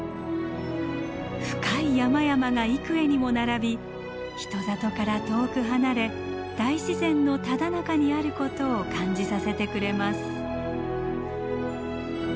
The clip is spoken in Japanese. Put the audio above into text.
深い山々が幾重にも並び人里から遠く離れ大自然のただ中にあることを感じさせてくれます。